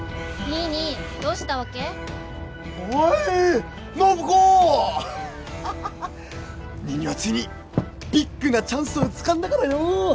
ニーニーはついにビッグなチャンスをつかんだからよ！